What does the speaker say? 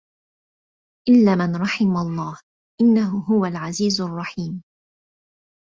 إلا من رحم الله إنه هو العزيز الرحيم